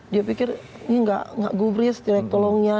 dia pikir ini nggak gubris jelek tolongnya